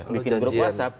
bikin grup whatsapp